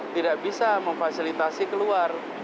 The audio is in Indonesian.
tidak bisa memfasilitasi keluar